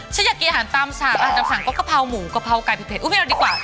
ฉันอยากกินอาหารตามสั่งอาหารตามสั่งก็กะเพราหมูกะเพราไก่ผิดเผ็ด